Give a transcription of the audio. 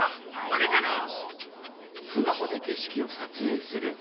それじゃね！